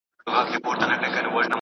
هغه څوک چي وطن جوړوي، هغه رښتینی مشر دی.